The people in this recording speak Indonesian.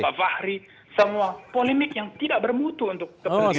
semua polemik yang tidak bermutu untuk kepentingan umum